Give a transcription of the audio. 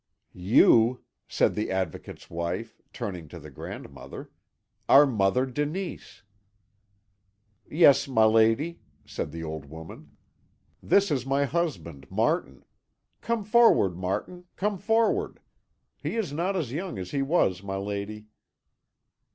"You," said the Advocate's wife, turning to the grandmother, "are Mother Denise." "Yes, my lady," said the old woman; "this is my husband, Martin. Come forward, Martin, come forward. He is not as young as he was, my lady."